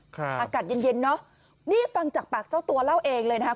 อากาศเย็นเย็นเนอะนี่ฟังจากปากเจ้าตัวเล่าเองเลยนะครับ